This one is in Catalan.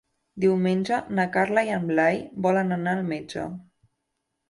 Diumenge na Carla i en Blai volen anar al metge.